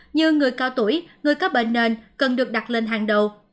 như người cao tuổi người có bệnh nền cần được đặt lên hàng đầu